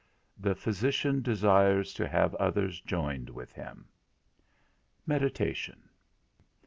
The physician desires to have others joined with him. VII. MEDITATION.